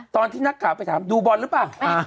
ตอนที่นักข่าวไปถามดูบอลหรือเปล่า